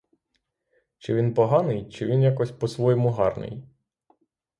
Чи він поганий, чи він якось по-своєму гарний?